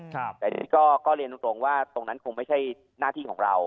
แต่ก็เรียนตรงว่าตรงนั้นคงไม่ใช่หน้าที่ของเรา